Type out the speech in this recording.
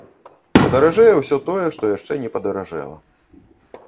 Падаражэе ўсё тое, што яшчэ не падаражэла.